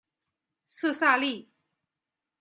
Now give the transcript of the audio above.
色萨利。